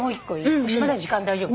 まだ時間大丈夫？